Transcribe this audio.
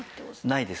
ないです。